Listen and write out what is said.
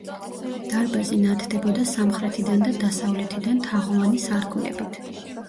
დარბაზი ნათდებოდა სამხრეთიდან და დასავლეთიდან თაღოვანი სარკმლებით.